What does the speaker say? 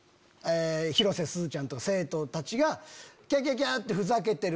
広瀬すずちゃんと生徒たちがキャキャキャってふざけてる。